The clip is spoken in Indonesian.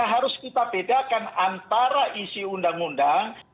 harus kita bedakan antara isi undang undang